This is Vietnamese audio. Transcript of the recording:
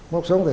móc xuống thì